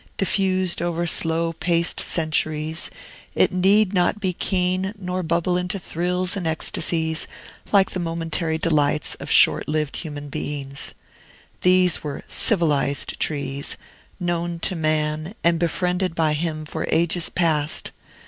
Diffused over slow paced centuries, it need not be keen nor bubble into thrills and ecstasies, like the momentary delights of short lived human beings. They were civilized trees, known to man and befriended by him for ages past.